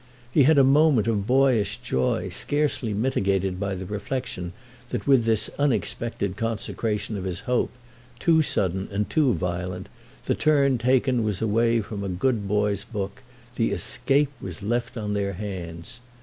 He had a moment of boyish joy, scarcely mitigated by the reflexion that with this unexpected consecration of his hope—too sudden and too violent; the turn taken was away from a good boy's book—the "escape" was left on their hands.